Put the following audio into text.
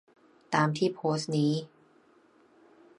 ตามที่โพสต์นี้